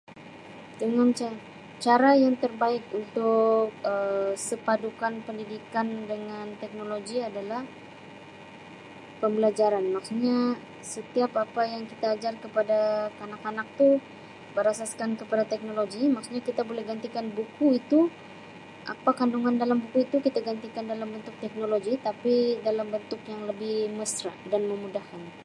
[unintelligible] cara yang terbaik untuk Um sepadukan pendidikan dengan teknologi adalah pembelajaran maksudnya setiap apa yang kita ajar kepada kanak-kanak tu berasaskan kepada teknologi maksudnya kita boleh gantikan buku itu apa kandungan dalam buku itu kita gantikan dalam bentuk teknologi tapi dalam bentuk yang lebih mesra dan memudahkan.